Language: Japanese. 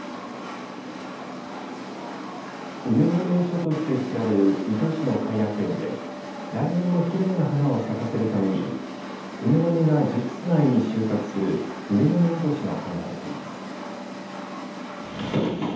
梅の名所として知られる水戸市の偕楽園で来年もきれいな花を咲かせるために梅の実が熟す前に収穫する梅の実落としが行われています。